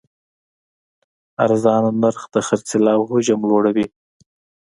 ارزانه نرخ د خرڅلاو حجم لوړوي.